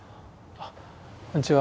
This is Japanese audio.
あこんにちは。